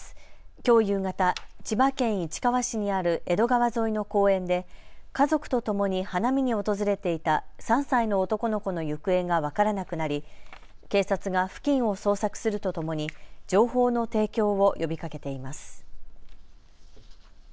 きょう夕方、千葉県市川市にある江戸川沿いの公園で家族とともに花見に訪れていた３歳の男の子の行方が分からなくなり警察が付近を捜索するとともに情報の提供を呼びかけています。